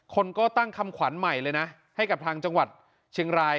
คนก็ตั้งคำขวัญใหม่เลยนะให้กับทางจังหวัดเชียงราย